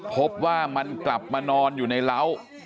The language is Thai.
พบว่ามันกลับมานอนอยู่ในเล้า